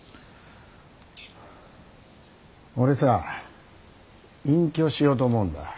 俺さ隠居しようと思うんだ。